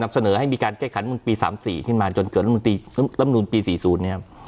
เสนอให้มีการแก้ไขปี๓๔ขึ้นมาจนเกิดลำนูลปี๔๐เนี่ย